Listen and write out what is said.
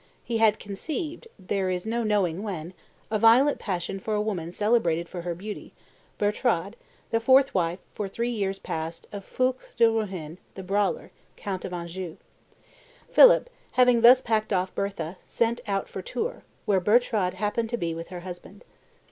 He had conceived, there is no knowing when, a violent passion for a woman celebrated for her beauty, Bertrade, the fourth wife, for three years past, of Foulques le Roehin (the brawler), count of Anjou. Philip, having thus packed off Bertha, set out for Tours, where Bertrade happened to be with her husband.